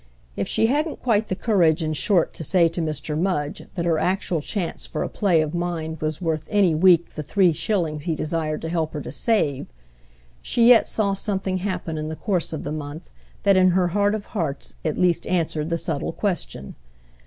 If she hadn't quite the courage in short to say to Mr. Mudge that her actual chance for a play of mind was worth any week the three shillings he desired to help her to save, she yet saw something happen in the course of the month that in her heart of hearts at least answered the subtle question.